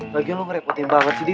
lagian lo ngerepotin banget sih duf